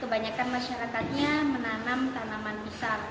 kebanyakan masyarakatnya menanam tanaman besar